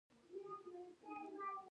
یوه طبقه پانګوال او بله کارګره ده.